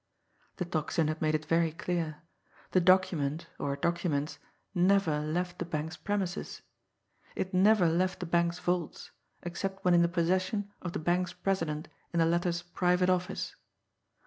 The Tocsin had made it very clear. The document, or documents, never left the bank's premises; it never left the bank's vaults except when in the possession of the bank's president in the latter's private office.